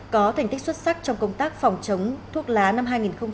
có thành tích xuất sắc trong công tác phòng chống thuốc lá năm hai nghìn một mươi tám